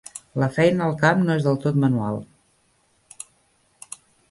La feina al camp no és del tot manual.